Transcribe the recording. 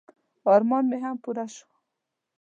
ارمان مې هم پوره شو.